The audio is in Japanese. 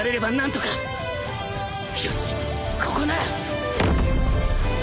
よしここなら！